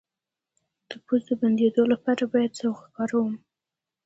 د پوزې د بندیدو لپاره باید څه وکاروم؟